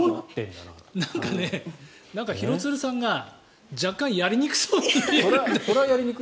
なんか廣津留さんが若干やりにくそうに。